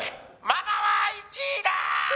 「ママは１位だ！」